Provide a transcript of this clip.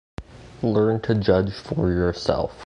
Learn to judge for yourself.